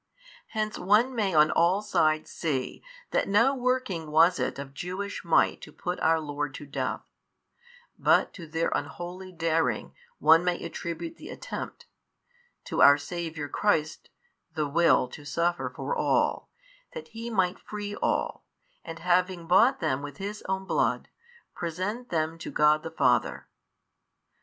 Hence one may on all sides see, that no work was it of Jewish might to put our Lord to death; but to their unholy daring may one attribute the attempt, to our Saviour Christ the will to suffer for all, that He might free all and, having bought them with His own Blood, present them to God the Father.